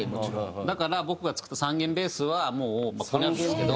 だから僕が作った３弦ベースはもうこれなんですけど。